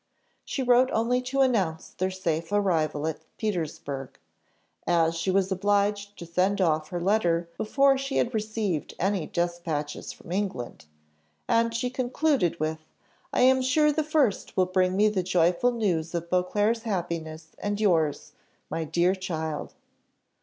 She wrote only to announce their safe arrival at Petersburgh, as she was obliged to send off her letter before she had received any dispatches from England; and she concluded with, "I am sure the first will bring me the joyful news of Beauclerc's happiness and yours, my dear child."